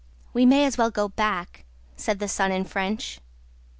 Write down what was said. "We may as well go back," said the son in French.